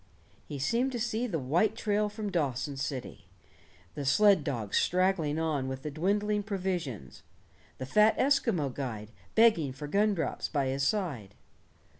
He seemed to see the white trail from Dawson City, the sled dogs straggling on with the dwindling provisions, the fat Eskimo guide begging for gum drops by his side.